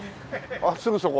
あっすぐそこ。